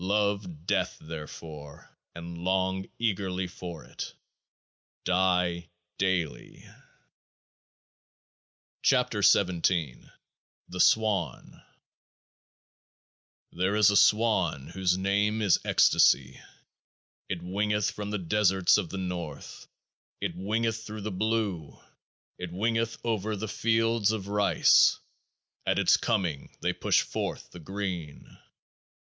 Love death therefore, and long eagerly for it. Die Daily. 25 KE<t>AAH IZ THE SWAN n There is a Swan whose name is Ecstasy : it wingeth from the Deserts of the North ; it wingeth through the blue ; it wingeth over the fields of rice ; at its coming they push forth the green.